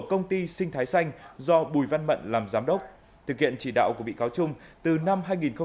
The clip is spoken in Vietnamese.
công ty sinh thái xanh do bùi văn mận làm giám đốc thực hiện chỉ đạo của bị cáo trung từ năm hai nghìn một mươi